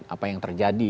apa yang terjadi